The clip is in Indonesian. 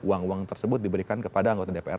uang uang tersebut diberikan kepada anggota dpr